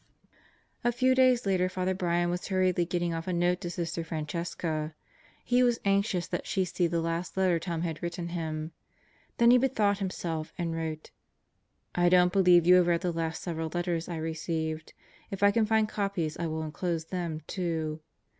... A few days later Father Brian was hurriedly getting off a note to Sister Francesca. He was anxious that she see the last letter Tom had written him. Then he bethought himself and wrote: "I don't believe you have read the last several letters I received if I can find copies I will enclose them, too.